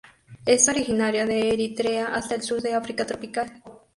Es originario de Eritrea hasta el sur de África tropical.